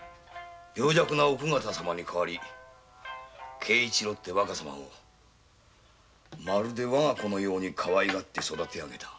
病弱な奥方様に代り敬一郎という若様をわが子のようにかわいがって育てあげた。